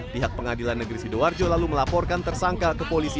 pihak pengadilan negeri sidoarjo lalu melaporkan tersangka ke polisi